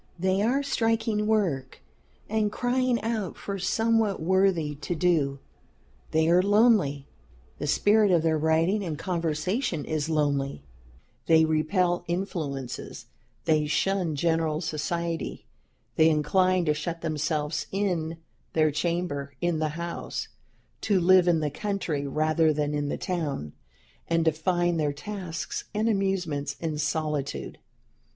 They are striking work and crying out for somewhat worthy to do. They are lonely; the spirit of their writing and conversation is lonely; they repel influences; they shun general society; they incline to shut themselves in their chamber in the house; to live in the country rather than in the town; and to find their tasks and amusements in solitude.